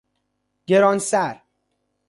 گرانسر